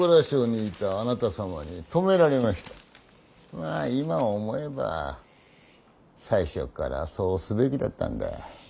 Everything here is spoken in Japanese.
まあ今思えば最初からそうすべきだったんだ。